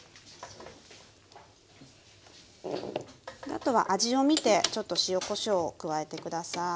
あとは味を見てちょっと塩こしょうを加えて下さい。